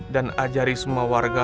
dan ajari semua warga